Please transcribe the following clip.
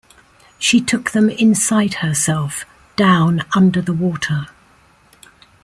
She took them inside herself, down under the water.